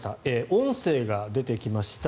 音声が出てきました。